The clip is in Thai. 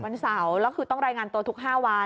วันเสาร์แล้วคือต้องรายงานตัวทุก๕วัน